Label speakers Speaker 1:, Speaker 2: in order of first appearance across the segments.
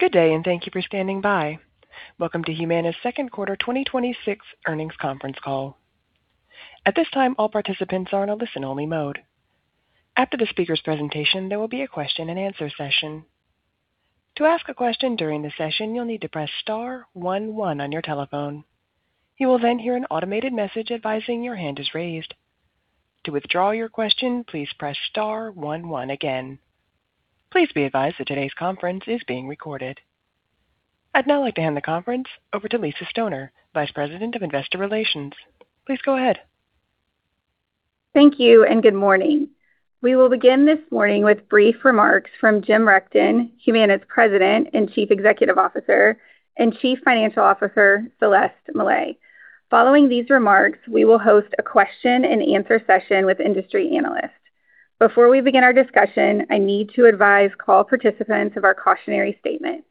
Speaker 1: Good day. Thank you for standing by. Welcome to Humana's second quarter 2026 earnings conference call. At this time, all participants are in a listen-only mode. After the speaker's presentation, there will be a question and answer session. To ask a question during the session, you'll need to press star one one on your telephone. You will then hear an automated message advising your hand is raised. To withdraw your question, please press star one one again. Please be advised that today's conference is being recorded. I'd now like to hand the conference over to Lisa Stoner, Vice President of Investor Relations. Please go ahead.
Speaker 2: Thank you. Good morning. We will begin this morning with brief remarks from Jim Rechtin, Humana's President and Chief Executive Officer, and Chief Financial Officer, Celeste Mellet. Following these remarks, we will host a question and answer session with industry analysts. Before we begin our discussion, I need to advise call participants of our cautionary statement.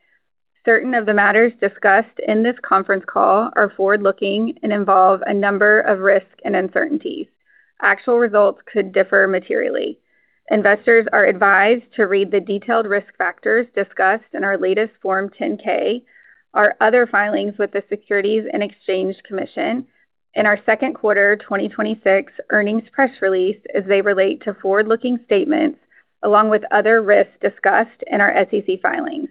Speaker 2: Certain of the matters discussed in this conference call are forward-looking and involve a number of risks and uncertainties. Actual results could differ materially. Investors are advised to read the detailed risk factors discussed in our latest Form 10-K, our other filings with the Securities and Exchange Commission, and our second quarter 2026 earnings press release as they relate to forward-looking statements along with other risks discussed in our SEC filings.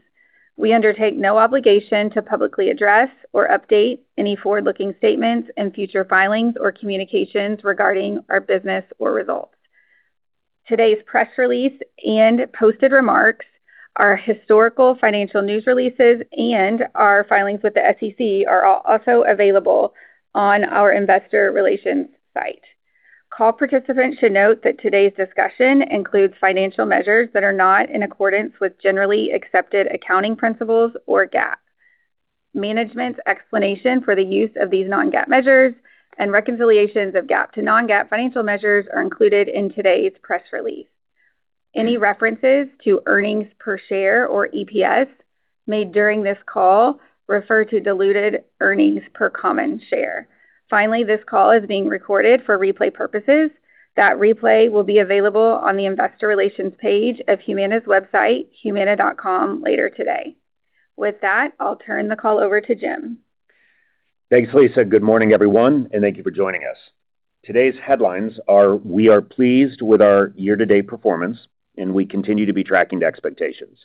Speaker 2: We undertake no obligation to publicly address or update any forward-looking statements in future filings or communications regarding our business or results. Today's press release and posted remarks, our historical financial news releases, and our filings with the SEC are all also available on our investor relations site. Call participants should note that today's discussion includes financial measures that are not in accordance with generally accepted accounting principles or GAAP. Management's explanation for the use of these non-GAAP measures and reconciliations of GAAP to non-GAAP financial measures are included in today's press release. Any references to earnings per share or EPS made during this call refer to diluted earnings per common share. Finally, this call is being recorded for replay purposes. That replay will be available on the investor relations page of Humana's website, humana.com, later today. With that, I'll turn the call over to Jim.
Speaker 3: Thanks, Lisa. Good morning, everyone. Thank you for joining us. Today's headlines are we are pleased with our year-to-date performance. We continue to be tracking to expectations.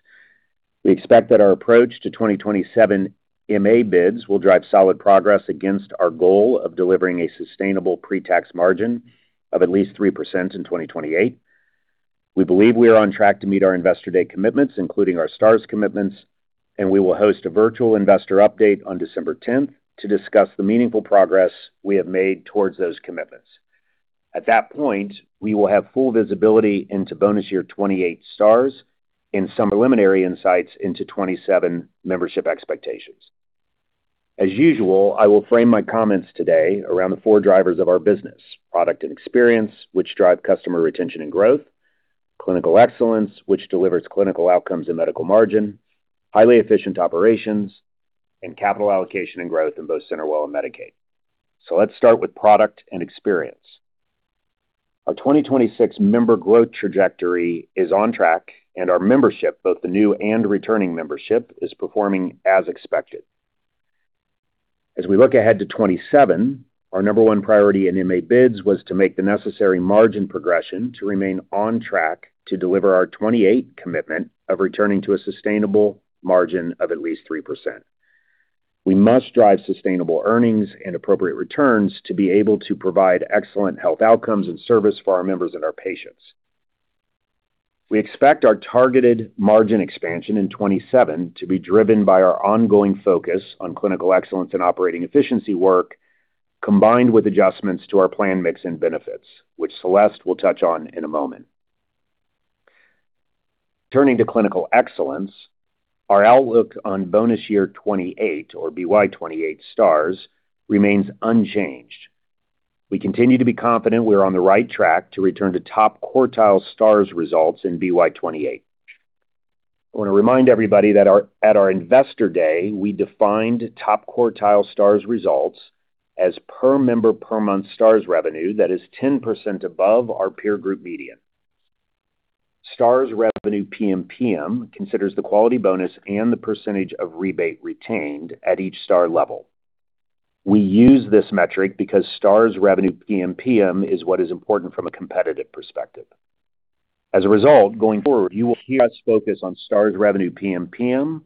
Speaker 3: We expect that our approach to 2027 MA bids will drive solid progress against our goal of delivering a sustainable pre-tax margin of at least 3% in 2028. We believe we are on track to meet our Investor Day commitments, including our Stars commitments. We will host a virtual investor update on December 10th to discuss the meaningful progress we have made towards those commitments. At that point, we will have full visibility into bonus year 2028 Stars and some preliminary insights into 2027 membership expectations. As usual, I will frame my comments today around the four drivers of our business: product and experience, which drive customer retention and growth; clinical excellence, which delivers clinical outcomes and medical margin; highly efficient operations; and capital allocation and growth in both CenterWell and Medicaid. Let's start with product and experience. Our 2026 member growth trajectory is on track, and our membership, both the new and returning membership, is performing as expected. As we look ahead to 2027, our number one priority in MA bids was to make the necessary margin progression to remain on track to deliver our 2028 commitment of returning to a sustainable margin of at least 3%. We must drive sustainable earnings and appropriate returns to be able to provide excellent health outcomes and service for our members and our patients. We expect our targeted margin expansion in 2027 to be driven by our ongoing focus on clinical excellence and operating efficiency work, combined with adjustments to our plan mix and benefits, which Celeste will touch on in a moment. Turning to clinical excellence, our outlook on bonus year 2028, or BY28 Stars, remains unchanged. We continue to be confident we are on the right track to return to top quartile Stars results in BY28. I want to remind everybody that at our Investor Day, we defined top quartile Stars results as per member per month Stars revenue that is 10% above our peer group median. Stars revenue PMPM considers the quality bonus and the percentage of rebate retained at each Star level. We use this metric because Stars revenue PMPM is what is important from a competitive perspective. Going forward, you will hear us focus on Stars revenue PMPM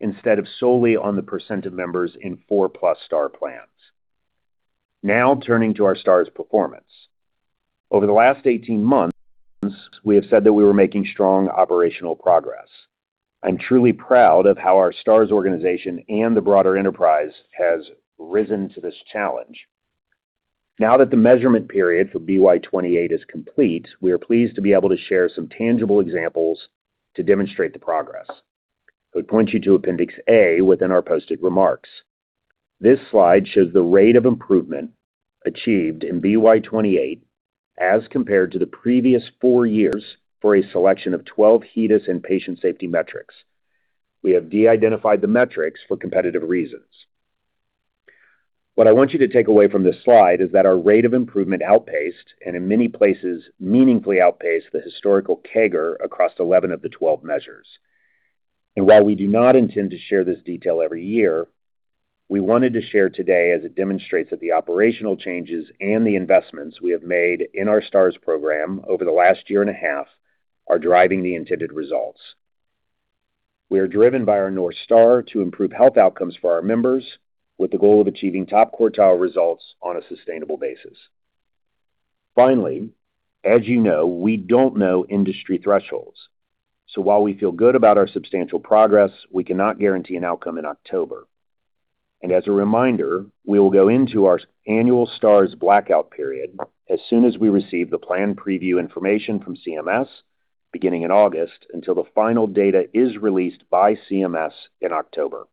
Speaker 3: instead of solely on the percent of members in 4-plus Star plans. Turning to our Stars performance. Over the last 18 months, we have said that we were making strong operational progress. I'm truly proud of how our Stars organization and the broader enterprise has risen to this challenge. Now that the measurement period for BY28 is complete, we are pleased to be able to share some tangible examples to demonstrate the progress. I would point you to Appendix A within our posted remarks. This slide shows the rate of improvement achieved in BY28 as compared to the previous four years for a selection of 12 HEDIS and patient safety metrics. We have de-identified the metrics for competitive reasons. What I want you to take away from this slide is that our rate of improvement outpaced, and in many places meaningfully outpaced, the historical CAGR across 11 of the 12 measures. While we do not intend to share this detail every year, we wanted to share today as it demonstrates that the operational changes and the investments we have made in our Stars program over the last year and a half are driving the intended results. We are driven by our North Star to improve health outcomes for our members with the goal of achieving top quartile results on a sustainable basis. As you know, we don't know industry thresholds, so while we feel good about our substantial progress, we cannot guarantee an outcome in October. As a reminder, we will go into our annual Stars blackout period as soon as we receive the plan preview information from CMS beginning in August until the final data is released by CMS in October.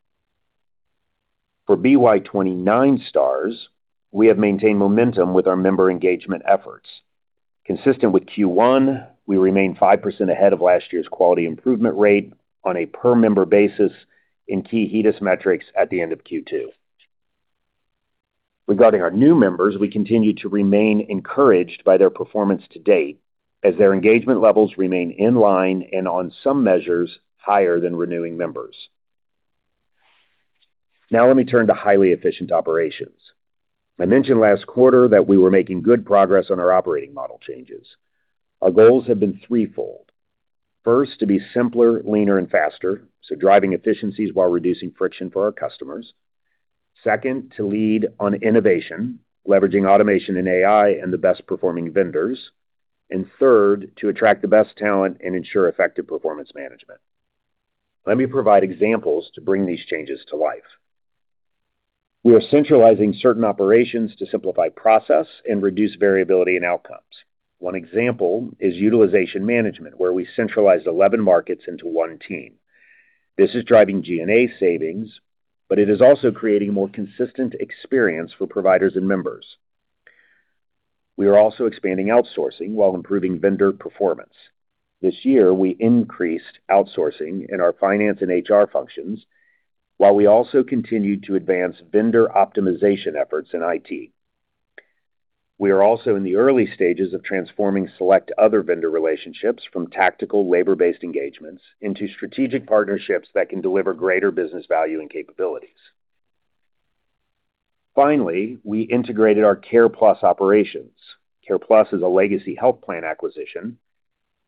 Speaker 3: For BY29 Stars, we have maintained momentum with our member engagement efforts. Consistent with Q1, we remain 5% ahead of last year's quality improvement rate on a per member basis in key HEDIS metrics at the end of Q2. Regarding our new members, we continue to remain encouraged by their performance to date as their engagement levels remain in line and on some measures higher than renewing members. Let me turn to highly efficient operations. I mentioned last quarter that we were making good progress on our operating model changes. Our goals have been threefold. First, to be simpler, leaner and faster, so driving efficiencies while reducing friction for our customers. Second, to lead on innovation, leveraging automation and AI and the best performing vendors. Third, to attract the best talent and ensure effective performance management. Let me provide examples to bring these changes to life. We are centralizing certain operations to simplify process and reduce variability in outcomes. One example is utilization management, where we centralize 11 markets into one team. This is driving G&A savings, but it is also creating a more consistent experience for providers and members. We are also expanding outsourcing while improving vendor performance. This year, we increased outsourcing in our finance and HR functions while we also continued to advance vendor optimization efforts in IT. We are also in the early stages of transforming select other vendor relationships from tactical labor-based engagements into strategic partnerships that can deliver greater business value and capabilities. Finally, we integrated our CarePlus operations. CarePlus is a legacy health plan acquisition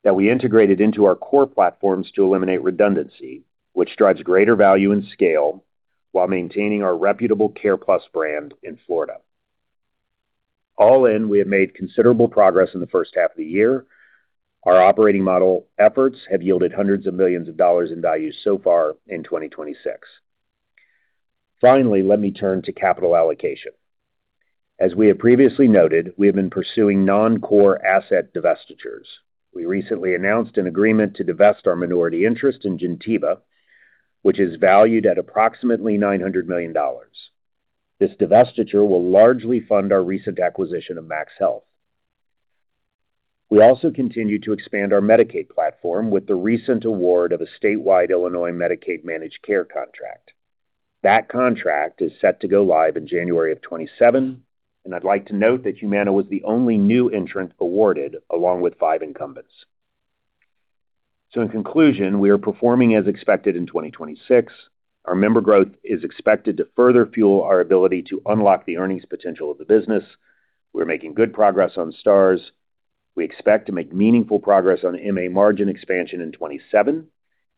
Speaker 3: that we integrated into our core platforms to eliminate redundancy, which drives greater value and scale while maintaining our reputable CarePlus brand in Florida. All in, we have made considerable progress in the first half of the year. Our operating model efforts have yielded hundreds of millions of dollars in value so far in 2026. Finally, let me turn to capital allocation. As we have previously noted, we have been pursuing non-core asset divestitures. We recently announced an agreement to divest our minority interest in Gentiva, which is valued at approximately $900 million. This divestiture will largely fund our recent acquisition of MaxHealth. We also continue to expand our Medicaid platform with the recent award of a statewide Illinois Medicaid managed care contract. That contract is set to go live in January of 2027, I'd like to note that Humana was the only new entrant awarded, along with five incumbents. In conclusion, we are performing as expected in 2026. Our member growth is expected to further fuel our ability to unlock the earnings potential of the business. We're making good progress on Stars. We expect to make meaningful progress on MA margin expansion in 2027,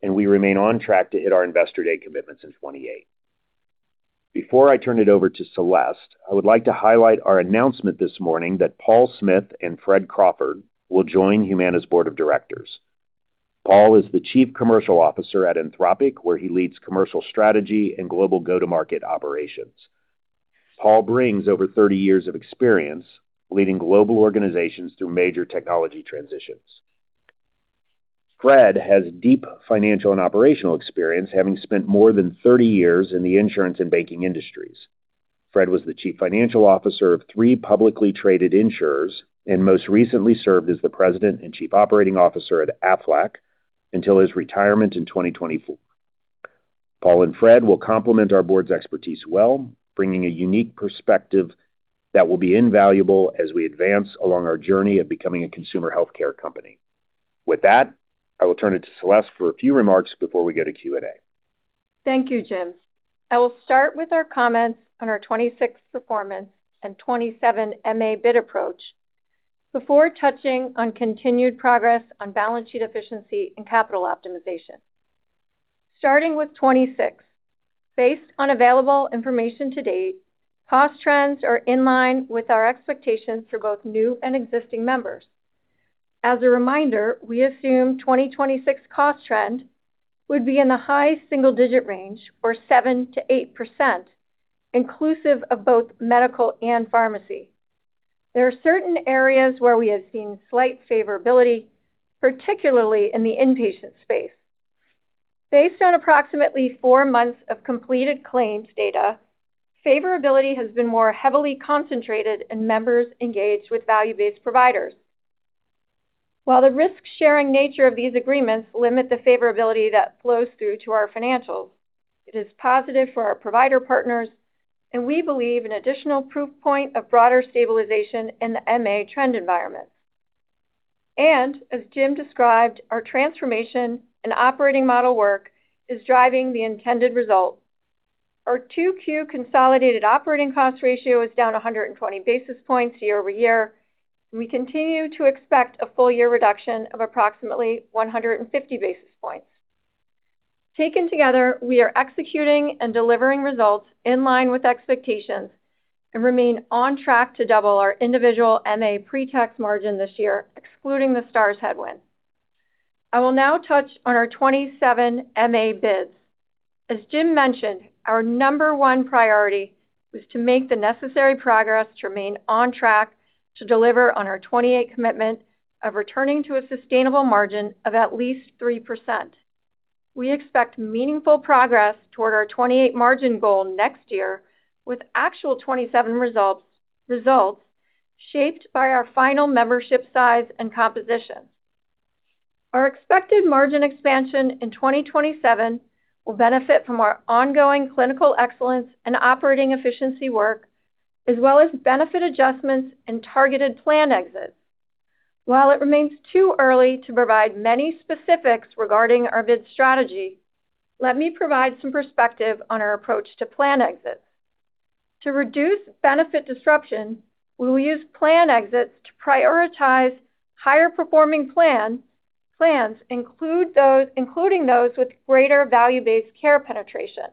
Speaker 3: and we remain on track to hit our investor day commitments in 2028. Before I turn it over to Celeste, I would like to highlight our announcement this morning that Paul Smith and Fred Crawford will join Humana's Board of Directors. Paul is the Chief Commercial Officer at Anthropic, where he leads commercial strategy and global go-to-market operations. Paul brings over 30 years of experience leading global organizations through major technology transitions. Fred has deep financial and operational experience, having spent more than 30 years in the insurance and banking industries. Fred was the Chief Financial Officer of three publicly traded insurers, and most recently served as the President and Chief Operating Officer at Aflac until his retirement in 2024. Paul and Fred will complement our board's expertise well, bringing a unique perspective that will be invaluable as we advance along our journey of becoming a consumer healthcare company. With that, I will turn it to Celeste for a few remarks before we go to Q&A.
Speaker 4: Thank you, Jim. I will start with our comments on our 2026 performance and 2027 MA bid approach before touching on continued progress on balance sheet efficiency and capital optimization. Starting with 2026. Based on available information to date, cost trends are in line with our expectations for both new and existing members. As a reminder, we assume 2026 cost trend would be in the high single digit range or 7%-8%, inclusive of both medical and pharmacy. There are certain areas where we have seen slight favorability, particularly in the inpatient space. Based on approximately four months of completed claims data, favorability has been more heavily concentrated in members engaged with value-based providers. While the risk-sharing nature of these agreements limit the favorability that flows through to our financials, it is positive for our provider partners, and we believe an additional proof point of broader stabilization in the MA trend environment. As Jim described, our transformation and operating model work is driving the intended result. Our 2Q consolidated operating cost ratio is down 120 basis points year-over-year, and we continue to expect a full year reduction of approximately 150 basis points. Taken together, we are executing and delivering results in line with expectations and remain on track to double our individual MA pretax margin this year, excluding the Stars headwind. I will now touch on our 2027 MA bids. As Jim mentioned, our number one priority was to make the necessary progress to remain on track to deliver on our 2028 commitment of returning to a sustainable margin of at least 3%. We expect meaningful progress toward our 2028 margin goal next year, with actual 2027 results shaped by our final membership size and composition. Our expected margin expansion in 2027 will benefit from our ongoing clinical excellence and operating efficiency work, as well as benefit adjustments and targeted plan exits. While it remains too early to provide many specifics regarding our bid strategy, let me provide some perspective on our approach to plan exits. To reduce benefit disruption, we will use plan exits to prioritize higher performing plans, including those with greater value-based care penetration..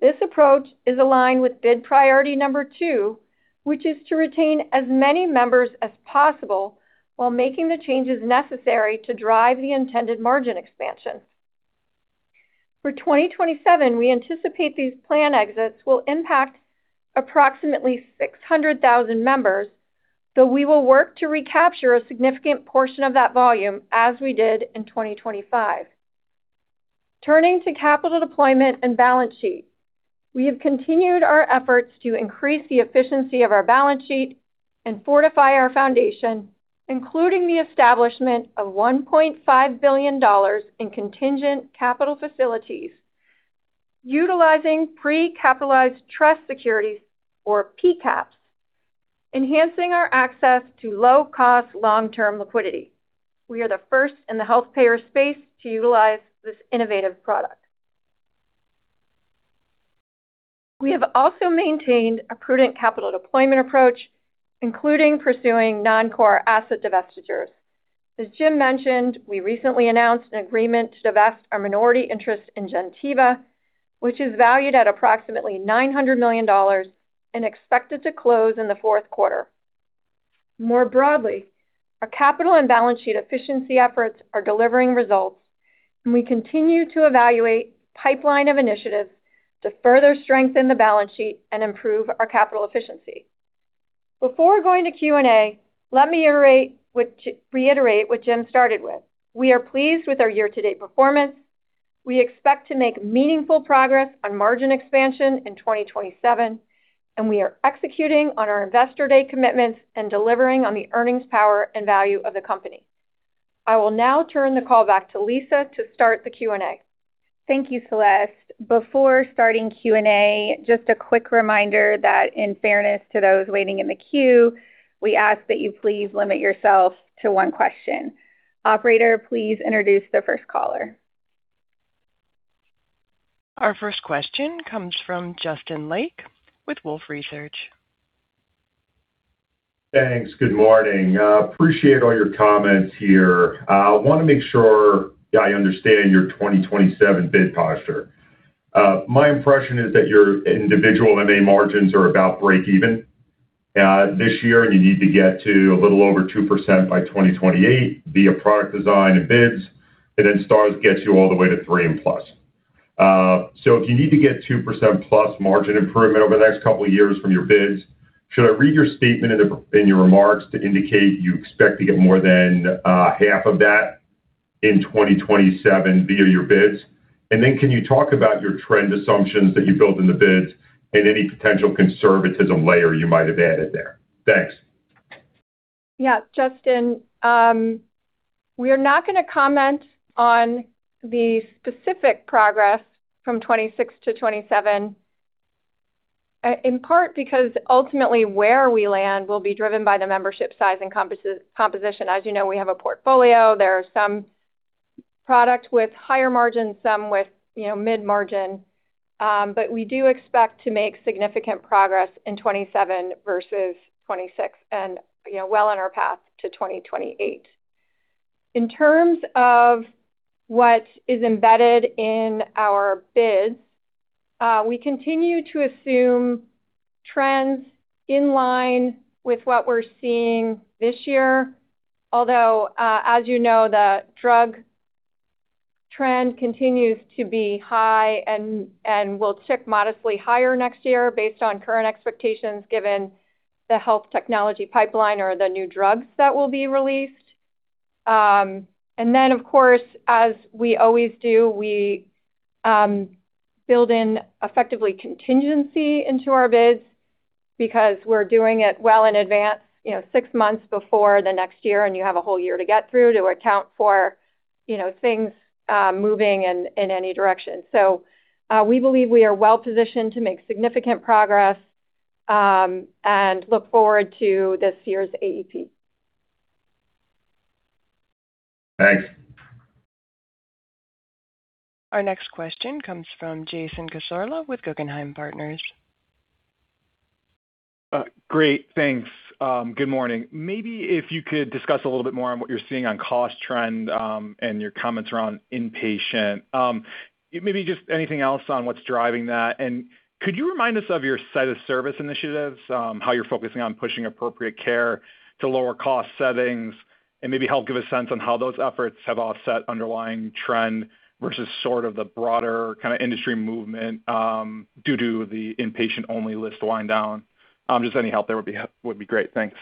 Speaker 4: This approach is aligned with bid priority number 2, which is to retain as many members as possible while making the changes necessary to drive the intended margin expansion. For 2027, we anticipate these plan exits will impact approximately 600,000 members, though we will work to recapture a significant portion of that volume as we did in 2025. Turning to capital deployment and balance sheet. We have continued our efforts to increase the efficiency of our balance sheet and fortify our foundation, including the establishment of $1.5 billion in contingent capital facilities utilizing pre-capitalized trust securities or PCAPS, enhancing our access to low-cost long-term liquidity. We are the first in the health payer space to utilize this innovative product. We have also maintained a prudent capital deployment approach, including pursuing non-core asset divestitures. As Jim mentioned, we recently announced an agreement to divest our minority interest in Gentiva, which is valued at approximately $900 million and expected to close in the fourth quarter. More broadly, our capital and balance sheet efficiency efforts are delivering results. We continue to evaluate pipeline of initiatives to further strengthen the balance sheet and improve our capital efficiency. Before going to Q&A, let me reiterate what Jim started with. We are pleased with our year-to-date performance. We expect to make meaningful progress on margin expansion in 2027. We are executing on our investor day commitments and delivering on the earnings power and value of the company. I will now turn the call back to Lisa to start the Q&A.
Speaker 2: Thank you, Celeste. Before starting Q&A, just a quick reminder that in fairness to those waiting in the queue, we ask that you please limit yourself to one question. Operator, please introduce the first caller.
Speaker 1: Our first question comes from Justin Lake with Wolfe Research.
Speaker 5: Thanks. Good morning. Appreciate all your comments here. I want to make sure I understand your 2027 bid posture. My impression is that your individual MA margins are about breakeven this year, and you need to get to a little over 2% by 2028 via product design and bids, and then Stars gets you all the way to 3%+. If you need to get 2%+ margin improvement over the next couple of years from your bids, should I read your statement in your remarks to indicate you expect to get more than half of that in 2027 via your bids? Can you talk about your trend assumptions that you built in the bids and any potential conservatism layer you might have added there? Thanks.
Speaker 4: Yeah. Justin, we're not going to comment on the specific progress from 2026 to 2027, in part because ultimately where we land will be driven by the membership size and composition. As you know, we have a portfolio. There are some product with higher margin, some with mid margin. We do expect to make significant progress in 2027 versus 2026 and well on our path to 2028. In terms of what is embedded in our bids, we continue to assume trends in line with what we're seeing this year. Although as you know the drug trend continues to be high and will tick modestly higher next year based on current expectations given the health technology pipeline or the new drugs that will be released. Of course, as we always do, we build in effectively contingency into our bids Because we're doing it well in advance, six months before the next year, and you have a whole year to get through to account for things moving in any direction. We believe we are well-positioned to make significant progress, and look forward to this year's AEP.
Speaker 3: Thanks.
Speaker 1: Our next question comes from Jason Cassorla with Guggenheim Partners.
Speaker 6: Great. Thanks. Good morning. Maybe if you could discuss a little bit more on what you're seeing on cost trend, and your comments around inpatient. Maybe just anything else on what's driving that. Could you remind us of your site of service initiatives, how you're focusing on pushing appropriate care to lower cost settings, and maybe help give a sense on how those efforts have offset underlying trend versus sort of the broader kind of industry movement, due to the inpatient-only list wind down? Just any help there would be great. Thanks.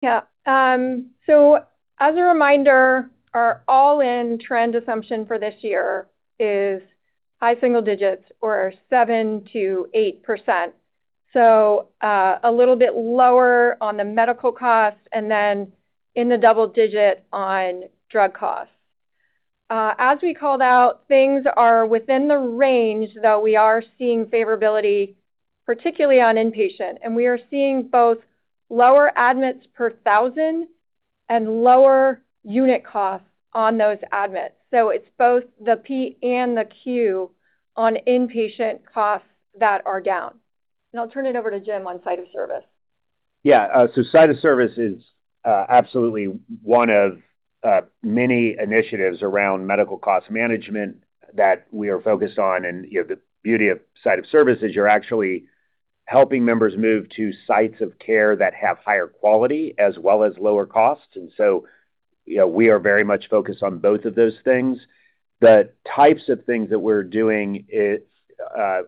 Speaker 4: Yeah. As a reminder, our all-in trend assumption for this year is high single digits or 7%-8%, so a little bit lower on the medical cost and then in the double digit on drug costs. As we called out, things are within the range, though we are seeing favorability, particularly on inpatient, and we are seeing both lower admits per thousand and lower unit costs on those admits. It's both the P and the Q on inpatient costs that are down. I'll turn it over to Jim on site of service.
Speaker 3: Yeah. Site of service is absolutely one of many initiatives around medical cost management that we are focused on. The beauty of site of service is you're actually helping members move to sites of care that have higher quality as well as lower costs. We are very much focused on both of those things. The types of things that we're doing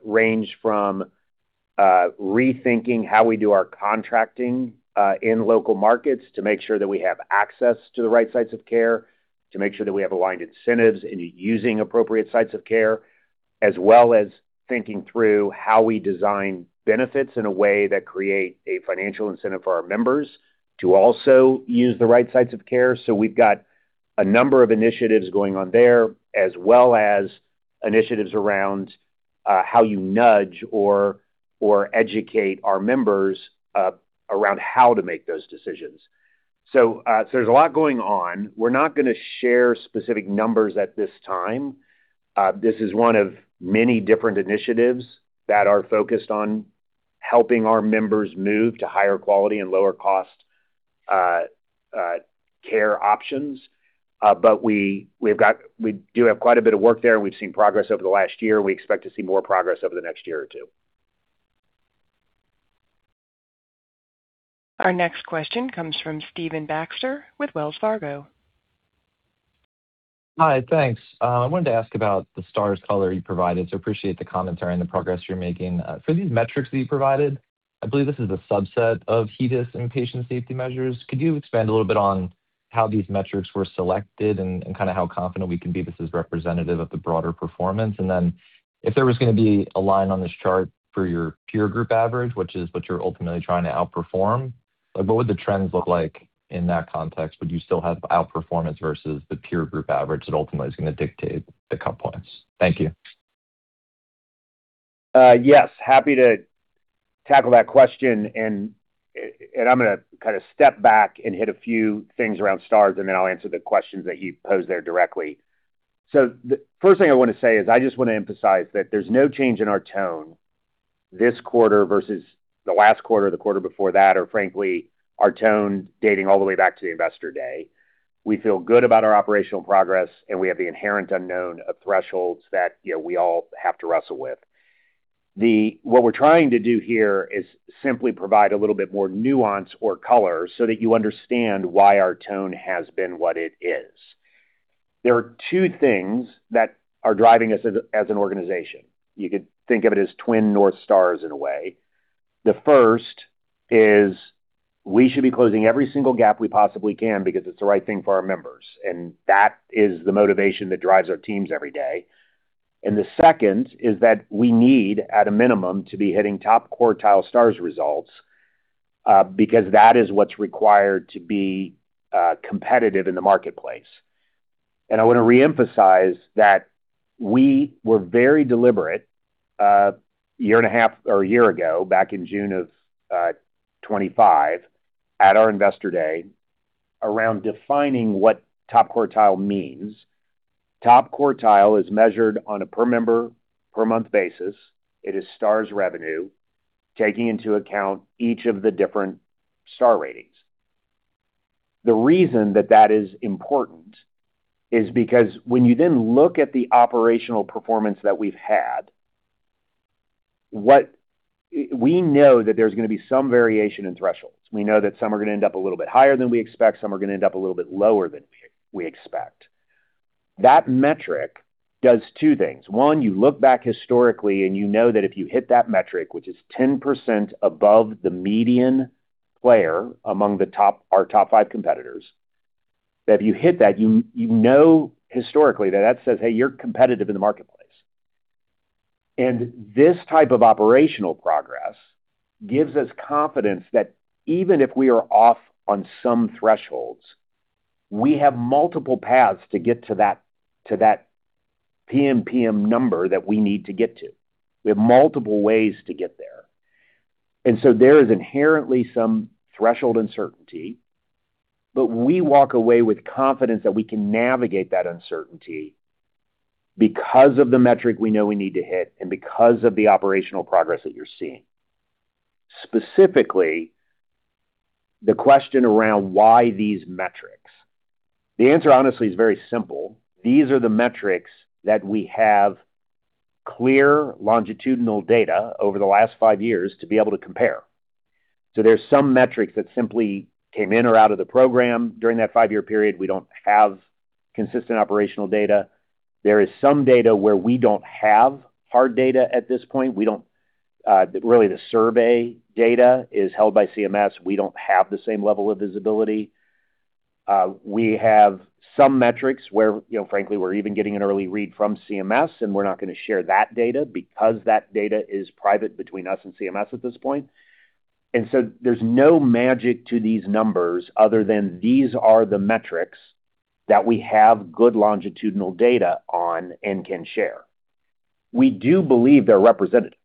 Speaker 3: range from rethinking how we do our contracting in local markets to make sure that we have access to the right sites of care, to make sure that we have aligned incentives into using appropriate sites of care, as well as thinking through how we design benefits in a way that create a financial incentive for our members to also use the right sites of care. We've got a number of initiatives going on there, as well as initiatives around how you nudge or educate our members around how to make those decisions. There's a lot going on. We're not going to share specific numbers at this time. This is one of many different initiatives that are focused on helping our members move to higher quality and lower cost care options. We do have quite a bit of work there, and we've seen progress over the last year. We expect to see more progress over the next year or two.
Speaker 1: Our next question comes from Stephen Baxter with Wells Fargo.
Speaker 7: Hi. Thanks. I wanted to ask about the stars color you provided, so appreciate the commentary and the progress you're making. For these metrics that you provided, I believe this is a subset of HEDIS and patient safety measures. Could you expand a little bit on how these metrics were selected and kind of how confident we can be this is representative of the broader performance? Then if there was going to be a line on this chart for your peer group average, which is what you're ultimately trying to outperform, what would the trends look like in that context? Would you still have outperformance versus the peer group average that ultimately is going to dictate the cut points? Thank you.
Speaker 3: Yes, happy to tackle that question. I'm going to kind of step back and hit a few things around stars. Then I'll answer the questions that you posed there directly. The first thing I want to say is I just want to emphasize that there's no change in our tone this quarter versus the last quarter, the quarter before that, or frankly, our tone dating all the way back to the investor day. We feel good about our operational progress, we have the inherent unknown of thresholds that we all have to wrestle with. What we're trying to do here is simply provide a little bit more nuance or color so that you understand why our tone has been what it is. There are two things that are driving us as an organization. You could think of it as twin North Stars in a way. The first is we should be closing every single gap we possibly can because it's the right thing for our members. That is the motivation that drives our teams every day. The second is that we need, at a minimum, to be hitting top quartile stars results, because that is what's required to be competitive in the marketplace. I want to reemphasize that we were very deliberate a year and a half or a year ago, back in June of 2025, at our investor day around defining what top quartile means. Top quartile is measured on a per member, per month basis. It is stars revenue, taking into account each of the different Star Ratings. The reason that that is important is because when you look at the operational performance that we've had, we know that there's going to be some variation in thresholds. We know that some are going to end up a little bit higher than we expect, some are going to end up a little bit lower than we expect. That metric does two things. One, you look back historically and you know that if you hit that metric, which is 10% above the median player among our top five competitors. That if you hit that, you know historically that says, hey, you're competitive in the marketplace. This type of operational progress gives us confidence that even if we are off on some thresholds, we have multiple paths to get to that PMPM number that we need to get to. We have multiple ways to get there. There is inherently some threshold uncertainty, but we walk away with confidence that we can navigate that uncertainty because of the metric we know we need to hit and because of the operational progress that you're seeing. Specifically, the question around why these metrics. The answer, honestly, is very simple. These are the metrics that we have clear longitudinal data over the last five years to be able to compare. There's some metrics that simply came in or out of the program during that five-year period. We don't have consistent operational data. There is some data where we don't have hard data at this point. Really the survey data is held by CMS. We don't have the same level of visibility. We have some metrics where frankly, we're even getting an early read from CMS, and we're not going to share that data because that data is private between us and CMS at this point. There's no magic to these numbers other than these are the metrics that we have good longitudinal data on and can share. We do believe they're representative.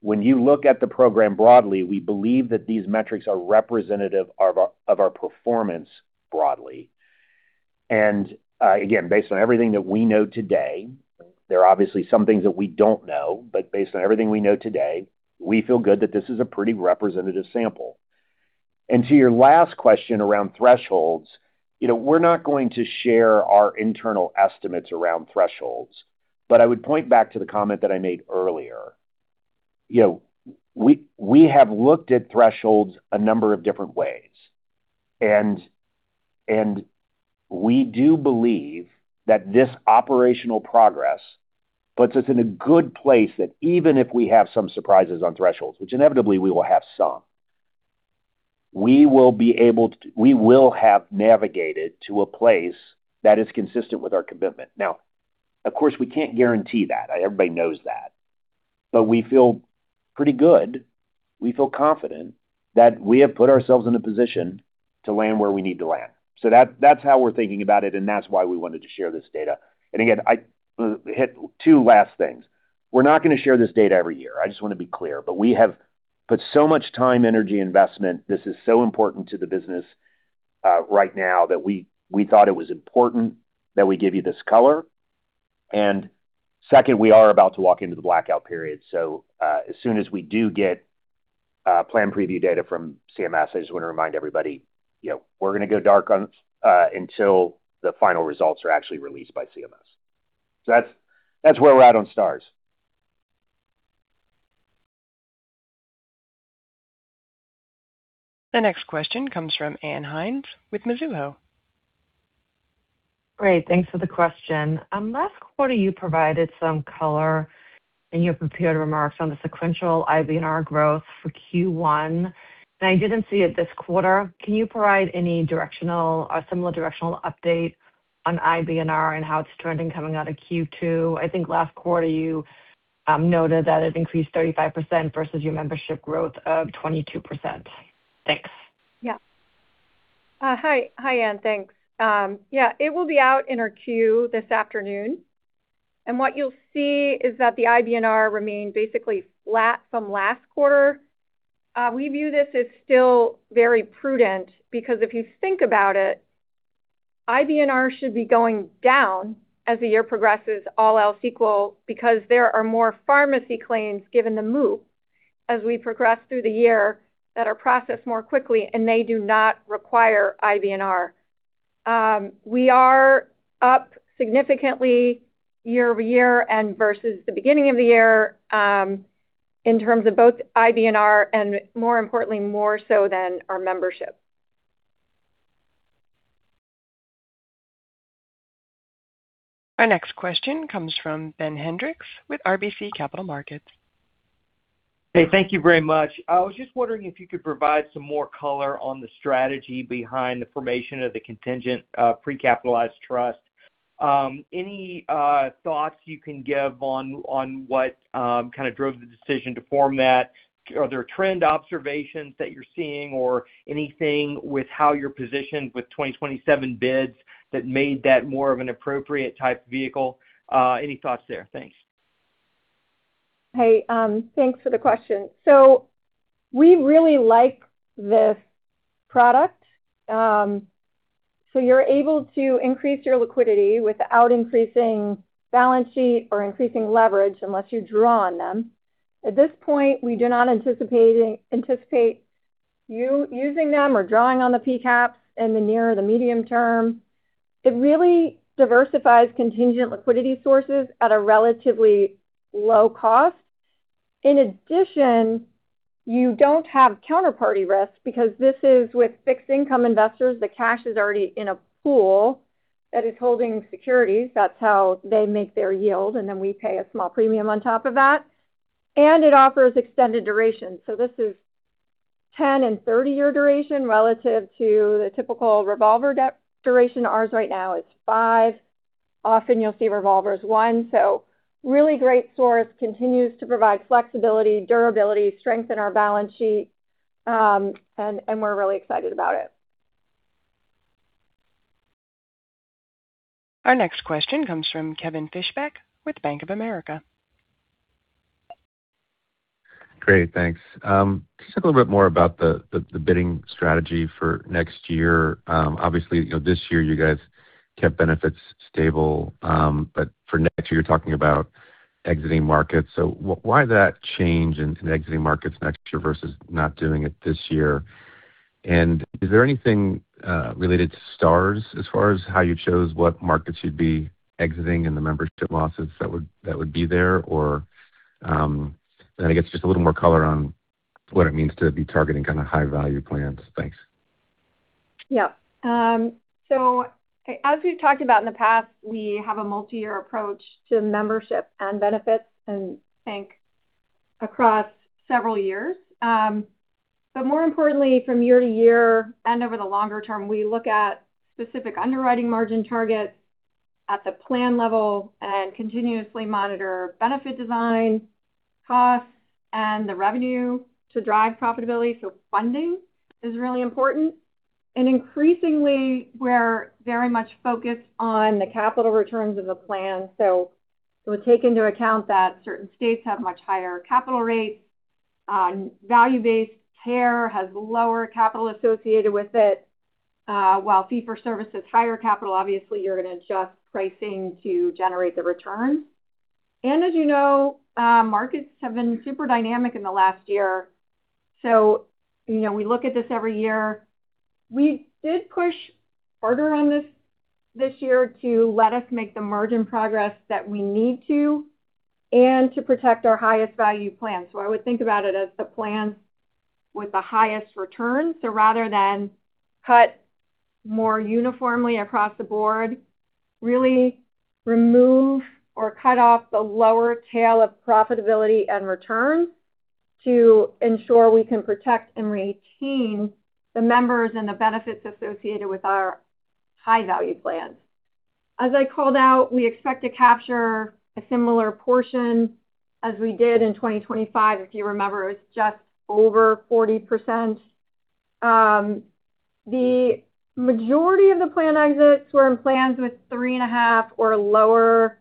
Speaker 3: When you look at the program broadly, we believe that these metrics are representative of our performance broadly. Again, based on everything that we know today, there are obviously some things that we don't know, but based on everything we know today, we feel good that this is a pretty representative sample. To your last question around thresholds, we're not going to share our internal estimates around thresholds, but I would point back to the comment that I made earlier. We have looked at thresholds a number of different ways, and we do believe that this operational progress puts us in a good place that even if we have some surprises on thresholds, which inevitably we will have some, we will have navigated to a place that is consistent with our commitment. Now, of course, we can't guarantee that. Everybody knows that. We feel pretty good. We feel confident that we have put ourselves in a position to land where we need to land. That's how we're thinking about it, and that's why we wanted to share this data. Hit two last things. We're not going to share this data every year, I just want to be clear, but we have put so much time, energy investment. This is so important to the business right now that we thought it was important that we give you this color. Second, we are about to walk into the blackout period. As soon as we do get plan preview data from CMS, I just want to remind everybody, we're going to go dark until the final results are actually released by CMS. That's where we're at on Stars.
Speaker 1: The next question comes from Ann Hynes with Mizuho.
Speaker 8: Great. Thanks for the question. Last quarter, you provided some color in your prepared remarks on the sequential IBNR growth for Q1. I didn't see it this quarter. Can you provide any directional or similar directional update on IBNR and how it's trending coming out of Q2? I think last quarter you noted that it increased 35% versus your membership growth of 22%. Thanks.
Speaker 4: Yeah. Hi, Ann. Thanks. Yeah, it will be out in our queue this afternoon. What you'll see is that the IBNR remained basically flat from last quarter. We view this as still very prudent because if you think about it, IBNR should be going down as the year progresses, all else equal, because there are more pharmacy claims given the move as we progress through the year that are processed more quickly and they do not require IBNR. We are up significantly year-over-year and versus the beginning of the year in terms of both IBNR and more importantly, more so than our membership.
Speaker 1: Our next question comes from Ben Hendrix with RBC Capital Markets.
Speaker 9: Hey, thank you very much. I was just wondering if you could provide some more color on the strategy behind the formation of the contingent pre-capitalized trust. Any thoughts you can give on what kind of drove the decision to form that? Are there trend observations that you're seeing or anything with how you're positioned with 2027 bids that made that more of an appropriate type vehicle? Any thoughts there? Thanks.
Speaker 4: Hey, thanks for the question. We really like this product. You're able to increase your liquidity without increasing balance sheet or increasing leverage unless you draw on them. At this point, we do not anticipate using them or drawing on the PCAPS in the near or the medium term. It really diversifies contingent liquidity sources at a relatively low cost. In addition, you don't have counterparty risk because this is with fixed income investors. The cash is already in a pool that is holding securities. That's how they make their yield, we pay a small premium on top of that, and it offers extended duration. This is 10 and 30 year duration relative to the typical revolver duration. Ours right now is five. Often you'll see revolvers one. Really great source, continues to provide flexibility, durability, strength in our balance sheet, and we're really excited about it.
Speaker 1: Our next question comes from Kevin Fischbeck with Bank of America.
Speaker 10: Great, thanks. Just talk a little bit more about the bidding strategy for next year. Obviously, this year you guys kept benefits stable. For next year, you're talking about exiting markets. Why that change in exiting markets next year versus not doing it this year? Is there anything related to Star Ratings as far as how you chose what markets you'd be exiting and the membership losses that would be there? I guess just a little more color on what it means to be targeting kind of high value plans. Thanks.
Speaker 4: As we've talked about in the past, we have a multi-year approach to membership and benefits, and think across several years. More importantly, from year to year and over the longer term, we look at specific underwriting margin targets at the plan level and continuously monitor benefit design, costs, and the revenue to drive profitability. Funding is really important, and increasingly we're very much focused on the capital returns of the plan. We take into account that certain states have much higher capital rates. Value-based care has lower capital associated with it, while fee for service is higher capital. Obviously, you're going to adjust pricing to generate the return. As you know, markets have been super dynamic in the last year. We look at this every year. We did push harder on this this year to let us make the margin progress that we need to and to protect our highest value plan. I would think about it as the plan with the highest return. Rather than cut more uniformly across the board, really remove or cut off the lower tail of profitability and return to ensure we can protect and retain the members and the benefits associated with our high value plans. As I called out, we expect to capture a similar portion as we did in 2025. If you remember, it was just over 40%. The majority of the plan exits were in plans with three and a half or lower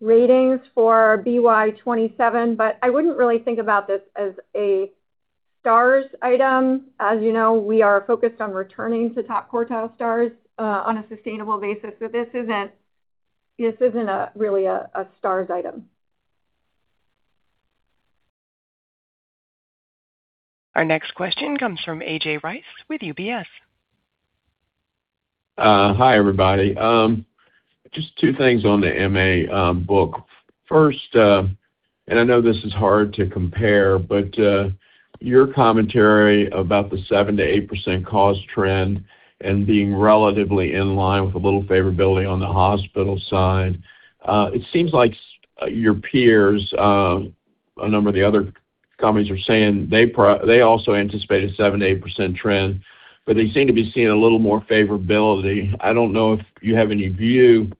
Speaker 4: ratings for BY27. I wouldn't really think about this as a Star Ratings item. As you know, we are focused on returning to top quartile Star Ratings on a sustainable basis. This isn't really a Stars item.
Speaker 1: Our next question comes from A.J. Rice with UBS.
Speaker 11: Hi, everybody. Just two things on the MA book. First, I know this is hard to compare, your commentary about the 7%-8% cost trend and being relatively in line with a little favorability on the hospital side. It seems like your peers, a number of the other companies are saying they also anticipate a 7%-8% trend, they seem to be seeing a little more favorability. I don't know if you have any view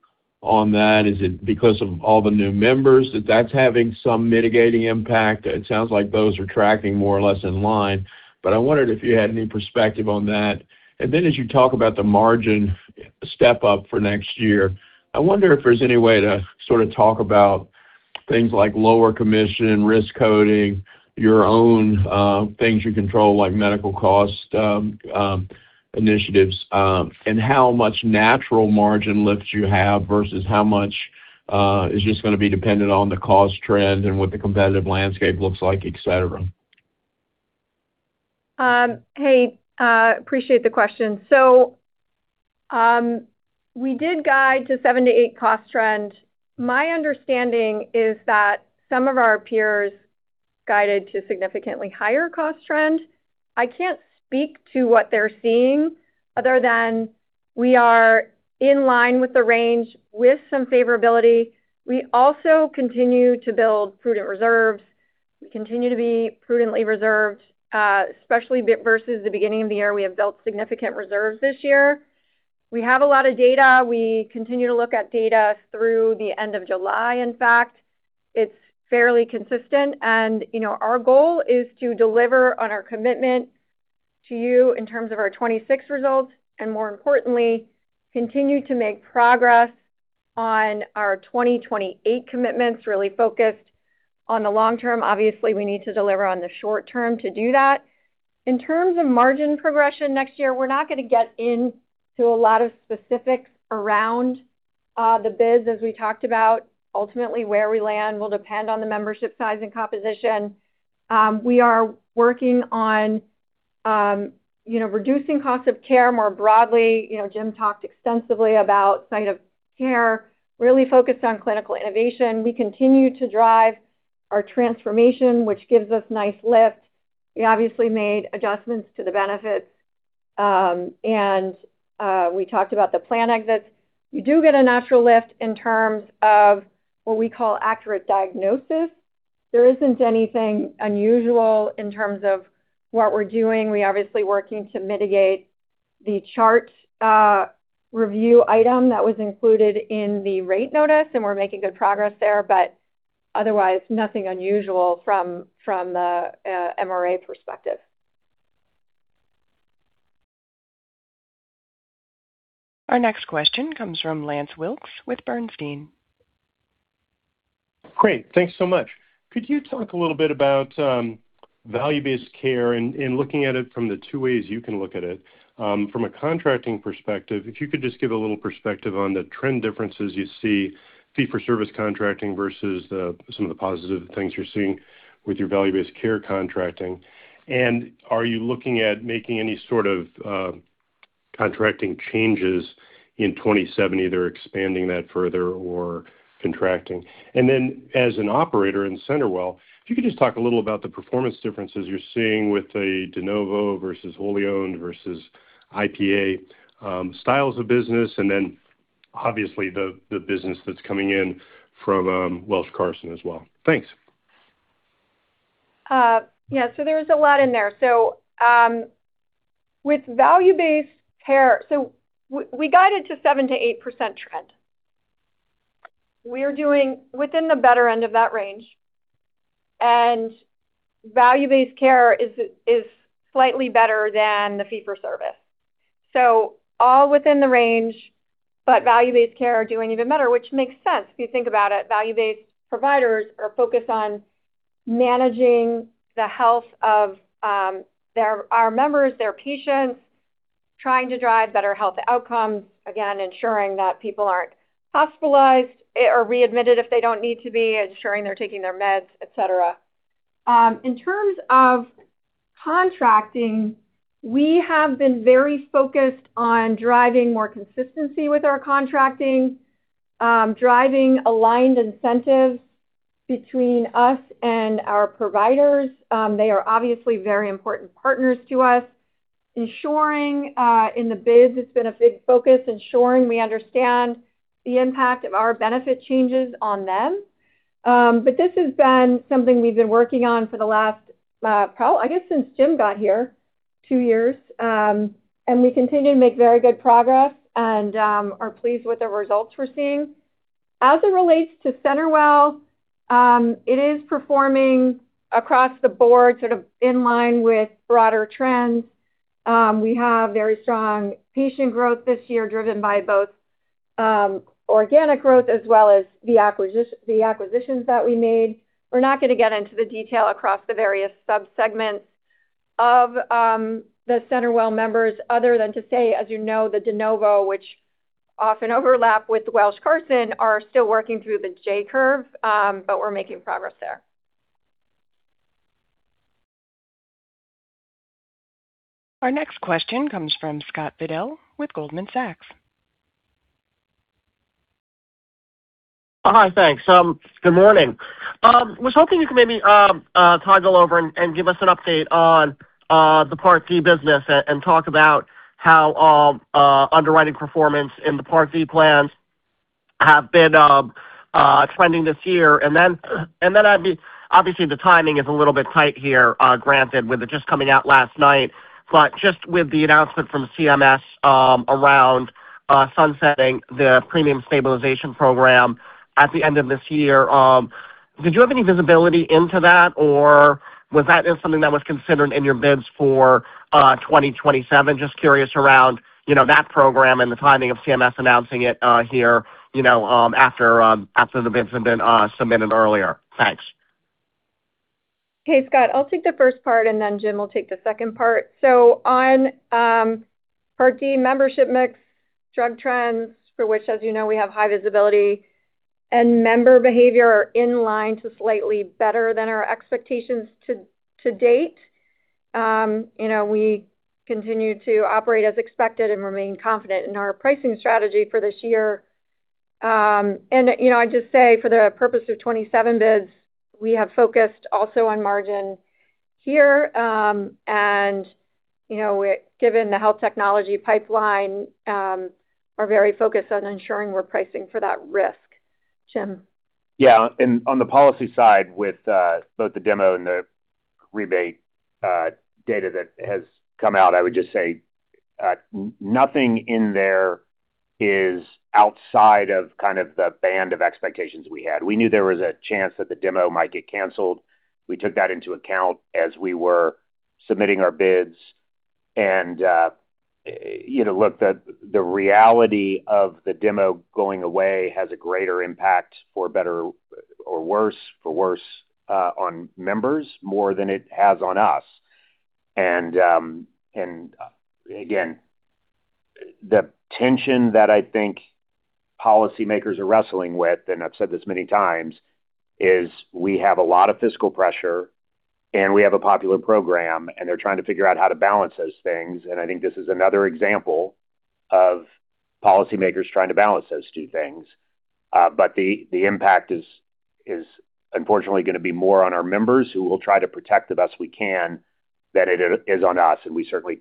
Speaker 11: on that. Is it because of all the new members that that's having some mitigating impact? It sounds like those are tracking more or less in line. I wondered if you had any perspective on that. As you talk about the margin step up for next year, I wonder if there's any way to sort of talk about things like lower commission, risk coding, your own things you control, like medical cost initiatives, and how much natural margin lift you have versus how much is just going to be dependent on the cost trend and what the competitive landscape looks like, et cetera.
Speaker 4: Appreciate the question. We did guide to 7%-8% cost trend. My understanding is that some of our peers guided to significantly higher cost trend. I can't speak to what they're seeing other than we are in line with the range with some favorability. We also continue to build prudent reserves. We continue to be prudently reserved, especially versus the beginning of the year. We have built significant reserves this year. We have a lot of data. We continue to look at data through the end of July, in fact. It's fairly consistent, and our goal is to deliver on our commitment to you in terms of our 2026 results, and more importantly, continue to make progress on our 2028 commitments, really focused on the long term. Obviously, we need to deliver on the short term to do that. In terms of margin progression next year, we're not going to get into a lot of specifics around the bids. As we talked about, ultimately where we land will depend on the membership size and composition. We are working on reducing cost of care more broadly. Jim talked extensively about site of care, really focused on clinical innovation. We continue to drive our transformation, which gives us nice lift. We obviously made adjustments to the benefit. We talked about the plan exits. You do get a natural lift in terms of what we call accurate diagnosis. There isn't anything unusual in terms of what we're doing. We're obviously working to mitigate the chart review item that was included in the rate notice, and we're making good progress there, but otherwise, nothing unusual from the MRA perspective.
Speaker 1: Our next question comes from Lance Wilkes with Bernstein.
Speaker 12: Thanks so much. Could you talk a little bit about value-based care and looking at it from the two ways you can look at it? From a contracting perspective, if you could just give a little perspective on the trend differences you see, fee-for-service contracting versus some of the positive things you're seeing with your value-based care contracting. Are you looking at making any sort of contracting changes in 2027, either expanding that further or contracting? Then as an operator in CenterWell, if you could just talk a little about the performance differences you're seeing with the de novo versus wholly owned versus IPA styles of business, and obviously the business that's coming in from Welsh Carson as well. Thanks.
Speaker 4: Yeah. There was a lot in there. With value-based care, we guided to 7%-8% trend. We're doing within the better end of that range, and value-based care is slightly better than the fee-for-service. All within the range, but value-based care are doing even better, which makes sense if you think about it. Value-based providers are focused on managing the health of our members, their patients, trying to drive better health outcomes, again, ensuring that people aren't hospitalized or readmitted if they don't need to be, ensuring they're taking their meds, et cetera. In terms of contracting, we have been very focused on driving more consistency with our contracting, driving aligned incentives between us and our providers. They are obviously very important partners to us. Ensuring in the bids, it's been a big focus, ensuring we understand the impact of our benefit changes on them. This has been something we've been working on for the last, I guess, since Jim got here, two years. We continue to make very good progress and are pleased with the results we're seeing. As it relates to CenterWell, it is performing across the board sort of in line with broader trends. We have very strong patient growth this year, driven by both organic growth as well as the acquisitions that we made. We're not going to get into the detail across the various sub-segments of the CenterWell members other than to say, as you know, the de novo, which often overlap with Welsh, Carson, are still working through the J-curve, but we're making progress there.
Speaker 1: Our next question comes from Scott Fidel with Goldman Sachs.
Speaker 13: Hi. Thanks. Good morning. Was hoping you could maybe toggle over and give us an update on the Part D business and talk about how underwriting performance in the Part D plans have been trending this year. Then, obviously, the timing is a little bit tight here, granted, with it just coming out last night. Just with the announcement from CMS around sunsetting the premium stabilization program at the end of this year, did you have any visibility into that, or was that something that was considered in your bids for 2027? Just curious around that program and the timing of CMS announcing it here, after the bids have been submitted earlier. Thanks.
Speaker 4: Scott. I'll take the first part, and then Jim will take the second part. On Part D membership mix, drug trends, for which, as you know, we have high visibility, and member behavior are in line to slightly better than our expectations to date. We continue to operate as expected and remain confident in our pricing strategy for this year. I'd just say for the purpose of 2027 bids, we have focused also on margin here, and given the health technology pipeline, are very focused on ensuring we're pricing for that risk. Jim?
Speaker 3: On the policy side with both the demo and the rebate data that has come out, I would just say nothing in there is outside of kind of the band of expectations we had. We knew there was a chance that the demo might get canceled. We took that into account as we were submitting our bids. Look, the reality of the demo going away has a greater impact for better or worse, for worse, on members more than it has on us. Again, the tension that I think policymakers are wrestling with, and I've said this many times, is we have a lot of fiscal pressure, and we have a popular program, and they're trying to figure out how to balance those things. I think this is another example of policymakers trying to balance those two things. The impact is unfortunately going to be more on our members, who we'll try to protect the best we can, than it is on us, and we certainly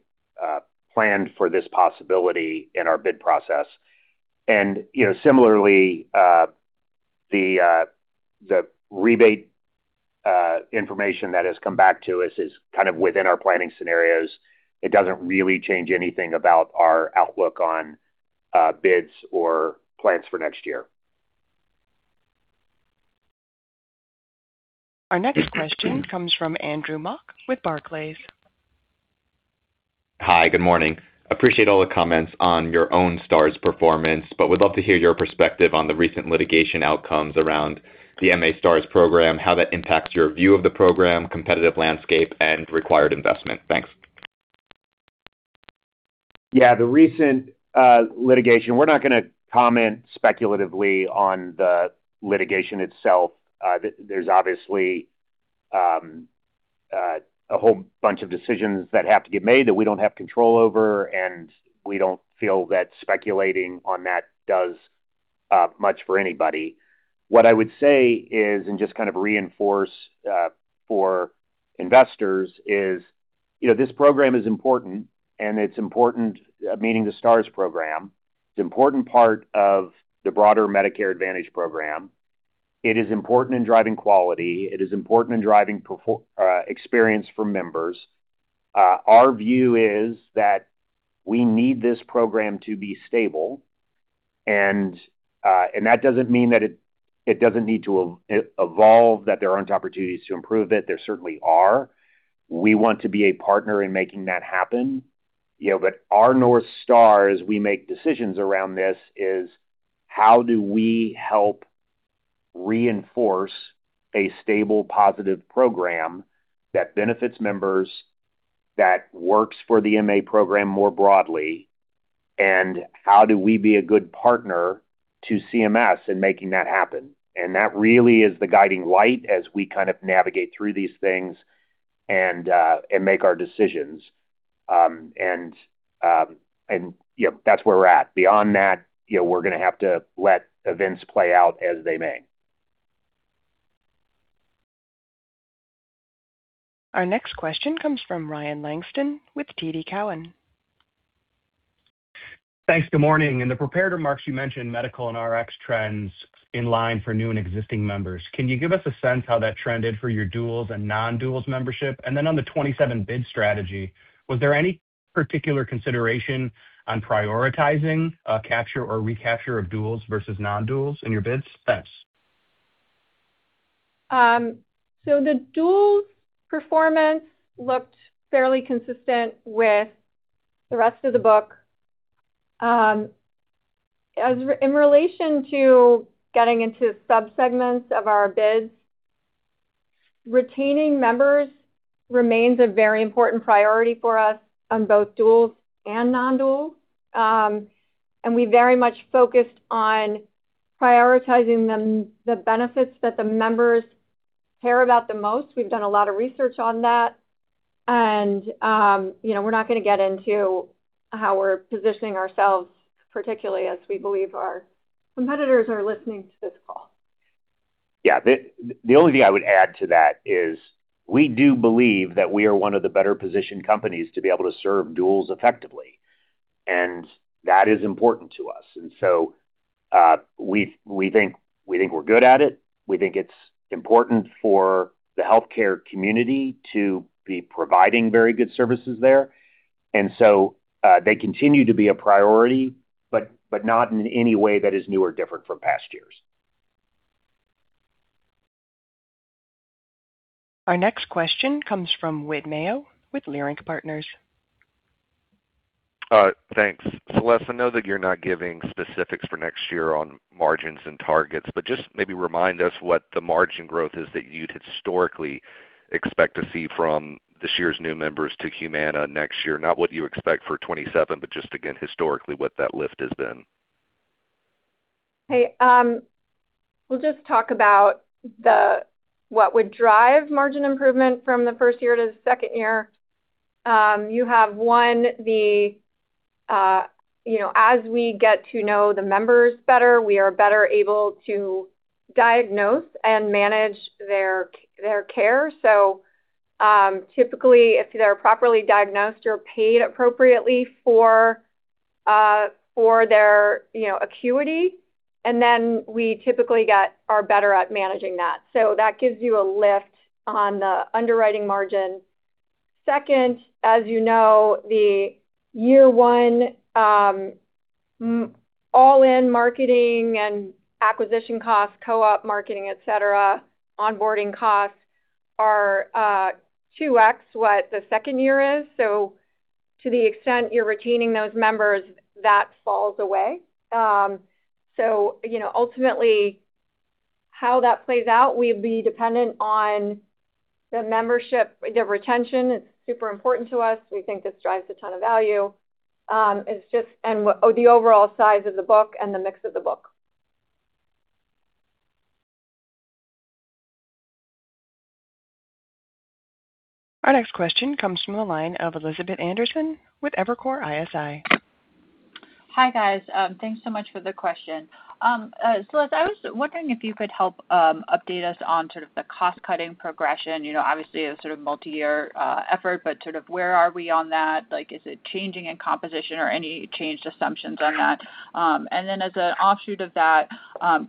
Speaker 3: planned for this possibility in our bid process. Similarly, the rebate information that has come back to us is kind of within our planning scenarios. It doesn't really change anything about our outlook on bids or plans for next year.
Speaker 1: Our next question comes from Andrew Mok with Barclays.
Speaker 14: Hi, good morning. Appreciate all the comments on your own Stars performance. Would love to hear your perspective on the recent litigation outcomes around the MA Stars program, how that impacts your view of the program, competitive landscape, and required investment. Thanks.
Speaker 3: The recent litigation. We're not going to comment speculatively on the litigation itself. There's obviously a whole bunch of decisions that have to get made that we don't have control over. We don't feel that speculating on that does much for anybody. What I would say is, just kind of reinforce for investors is, this program is important, meaning the Stars Program. It's an important part of the broader Medicare Advantage program. It is important in driving quality. It is important in driving experience for members. Our view is that we need this program to be stable. That doesn't mean that it doesn't need to evolve, that there aren't opportunities to improve it. There certainly are. We want to be a partner in making that happen. Our North Star as we make decisions around this is how do we help reinforce a stable, positive program that benefits members, that works for the MA program more broadly, and how do we be a good partner to CMS in making that happen? That really is the guiding light as we kind of navigate through these things and make our decisions. That's where we're at. Beyond that, we're going to have to let events play out as they may.
Speaker 1: Our next question comes from Ryan Langston with TD Cowen.
Speaker 15: Thanks. Good morning. In the prepared remarks, you mentioned medical and RX trends in line for new and existing members. Can you give us a sense how that trended for your duals and non-duals membership? On the 2027 bid strategy, was there any particular consideration on prioritizing capture or recapture of duals versus non-duals in your bids? Thanks.
Speaker 4: The duals performance looked fairly consistent with the rest of the book. In relation to getting into subsegments of our bids, retaining members remains a very important priority for us on both duals and non-duals. We very much focused on prioritizing the benefits that the members care about the most. We've done a lot of research on that, we're not going to get into how we're positioning ourselves, particularly as we believe our competitors are listening to this call.
Speaker 3: Yeah. The only thing I would add to that is we do believe that we are one of the better-positioned companies to be able to serve duals effectively, and that is important to us. We think we're good at it. We think it's important for the healthcare community to be providing very good services there. They continue to be a priority, but not in any way that is new or different from past years.
Speaker 1: Our next question comes from Whit Mayo with Leerink Partners.
Speaker 16: Thanks. Celeste, I know that you're not giving specifics for next year on margins and targets, but just maybe remind us what the margin growth is that you'd historically expect to see from this year's new members to Humana next year. Not what you expect for 2027, but just again, historically, what that lift has been.
Speaker 4: Hey, we'll just talk about what would drive margin improvement from the first year to the second year. You have, one, as we get to know the members better, we are better able to diagnose and manage their care. Typically, if they're properly diagnosed, you're paid appropriately for their acuity, and then we typically are better at managing that. That gives you a lift on the underwriting margin. Second, as you know, the year one all-in marketing and acquisition costs, co-op marketing, et cetera, onboarding costs, are 2x what the second year is. To the extent you're retaining those members, that falls away. Ultimately, how that plays out will be dependent on the membership. The retention is super important to us. We think this drives a ton of value. The overall size of the book and the mix of the book.
Speaker 1: Our next question comes from the line of Elizabeth Anderson with Evercore ISI.
Speaker 17: Hi, guys. Thanks so much for the question. As I was wondering if you could help update us on sort of the cost-cutting progression, obviously a sort of multi-year effort, but sort of where are we on that? Is it changing in composition or any changed assumptions on that? Then as an offshoot of that,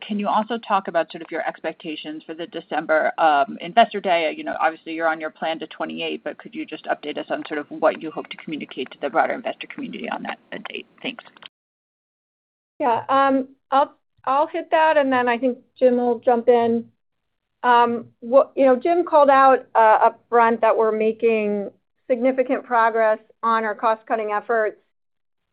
Speaker 17: can you also talk about sort of your expectations for the December investor day? Obviously, you're on your plan to 2028, but could you just update us on sort of what you hope to communicate to the broader investor community on that date? Thanks.
Speaker 4: Yeah. I'll hit that, and then I think Jim will jump in. Jim called out upfront that we're making significant progress on our cost-cutting efforts.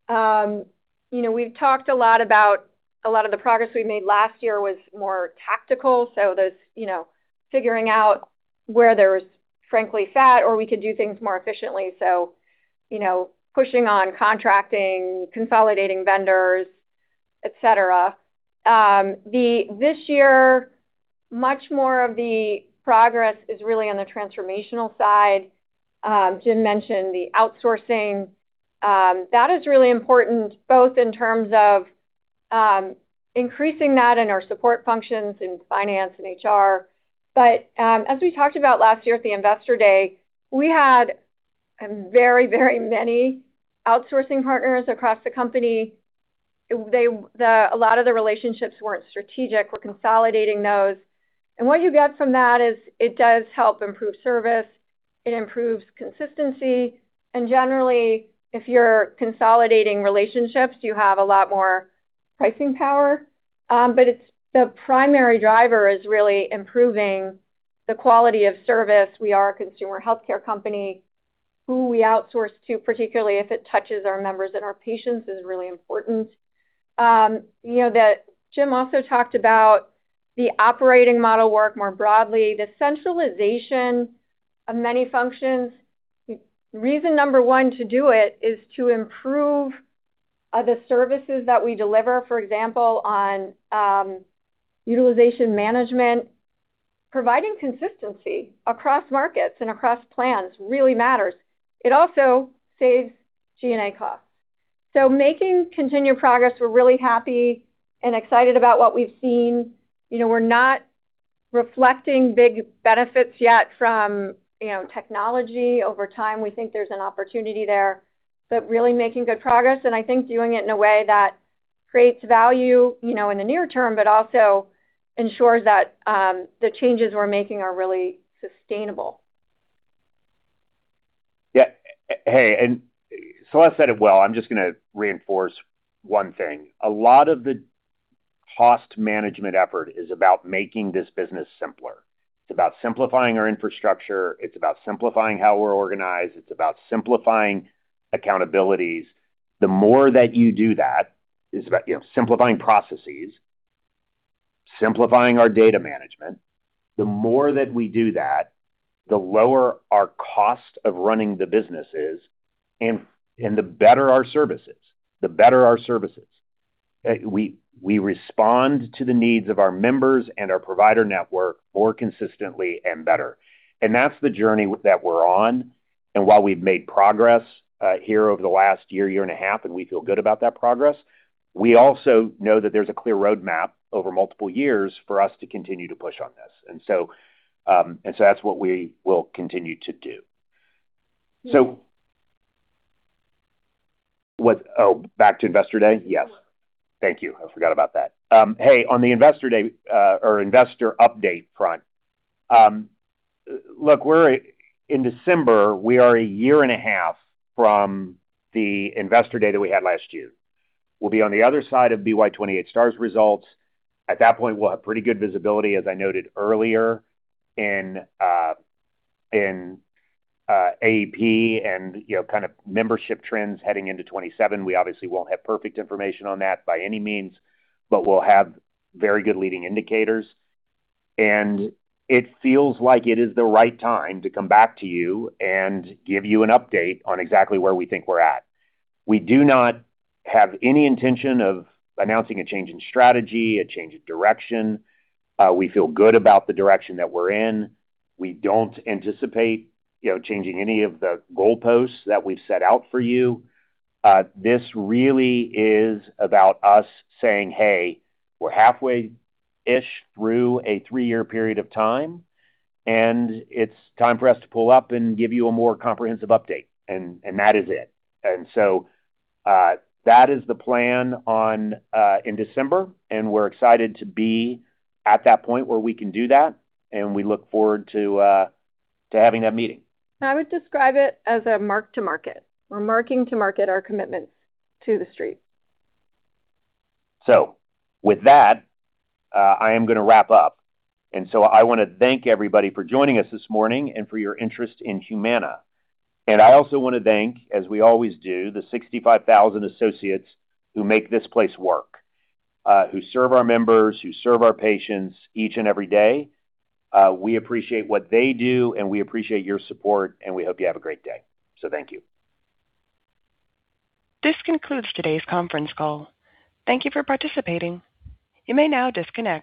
Speaker 4: We've talked a lot about a lot of the progress we made last year was more tactical, so there's figuring out where there's frankly fat or we could do things more efficiently. Pushing on contracting, consolidating vendors, et cetera. This year, much more of the progress is really on the transformational side. Jim mentioned the outsourcing. That is really important both in terms of increasing that in our support functions in finance and HR. As we talked about last year at the investor day, we had very many outsourcing partners across the company. A lot of the relationships weren't strategic. We're consolidating those. What you get from that is it does help improve service. It improves consistency. Generally, if you're consolidating relationships, you have a lot more pricing power. The primary driver is really improving the quality of service. We are a consumer healthcare company. Who we outsource to, particularly if it touches our members and our patients, is really important. Jim also talked about the operating model work more broadly, the centralization of many functions. Reason number one to do it is to improve the services that we deliver. For example, on utilization management, providing consistency across markets and across plans really matters. It also saves G&A costs. Making continued progress, we're really happy and excited about what we've seen. We're not reflecting big benefits yet from technology over time. We think there's an opportunity there, but really making good progress, and I think doing it in a way that creates value in the near term, but also ensures that the changes we're making are really sustainable.
Speaker 3: Yeah. Hey, Celeste said it well. I'm just going to reinforce one thing. A lot of the cost management effort is about making this business simpler. It's about simplifying our infrastructure. It's about simplifying how we're organized. It's about simplifying accountabilities. The more that you do that is about simplifying processes, simplifying our data management. The more that we do that, the lower our cost of running the business is, and the better our service is. We respond to the needs of our members and our provider network more consistently and better. That's the journey that we're on. While we've made progress here over the last year and a half, and we feel good about that progress, we also know that there's a clear roadmap over multiple years for us to continue to push on this. That's what we will continue to do. Oh, back to Investor Day? Yes. Thank you. I forgot about that. On the Investor Day, or investor update front, in December, we are a year and a half from the Investor Day that we had last year. We'll be on the other side of BY28 Star results. At that point, we'll have pretty good visibility, as I noted earlier, in AEP and kind of membership trends heading into 2027. We obviously won't have perfect information on that by any means, but we'll have very good leading indicators. It feels like it is the right time to come back to you and give you an update on exactly where we think we're at. We do not have any intention of announcing a change in strategy, a change in direction. We feel good about the direction that we're in. We don't anticipate changing any of the goalposts that we've set out for you. This really is about us saying, "We're halfway-ish through a three-year period of time, and it's time for us to pull up and give you a more comprehensive update," and that is it. That is the plan in December, and we're excited to be at that point where we can do that, and we look forward to having that meeting.
Speaker 4: I would describe it as a mark to market. We're marking to market our commitments to the street.
Speaker 3: With that, I am going to wrap up. I want to thank everybody for joining us this morning and for your interest in Humana. I also want to thank, as we always do, the 65,000 associates who make this place work, who serve our members, who serve our patients each and every day. We appreciate what they do, and we appreciate your support, and we hope you have a great day. Thank you.
Speaker 1: This concludes today's conference call. Thank you for participating. You may now disconnect.